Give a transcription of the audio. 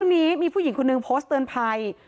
วันนี้มีผู้หญิงคนนึงโพสต์เตือนภัย